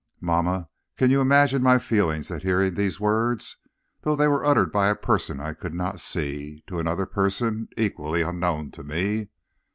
"Mamma, you can imagine my feelings at hearing these words, though they were uttered by a person I could not see, to another person equally unknown to me?